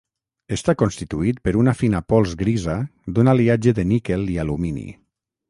Està constituït per una fina pols grisa d'un aliatge de níquel i d'alumini.